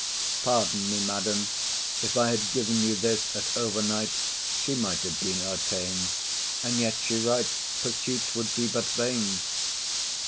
Pardon me, madam; If I had given you this at over night, She might have been o'erta'en; and yet she writes Pursuit would be but vain.